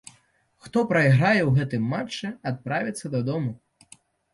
Хто прайграе ў гэтым матчы, адправіцца дадому.